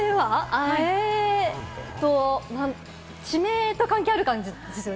えっと、地名とか関係ある感じですか？